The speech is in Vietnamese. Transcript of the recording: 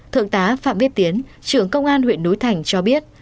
thượng tá phạm biết tiến trưởng công an huyện núi thành cho biết